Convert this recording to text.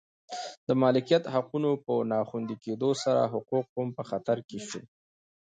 د مالکیت حقونو په نا خوندي کېدو سره حقوق هم په خطر کې شول